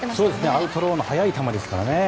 アウトローの速い球ですからね。